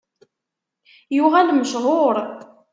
Yuɣal mechuṛ.